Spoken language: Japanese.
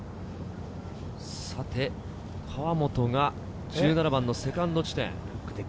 河本が１７番のセカンド地点。